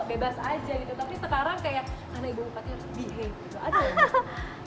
bebas aja gitu tapi sekarang kayak karena ibu bupatnya harus behave gitu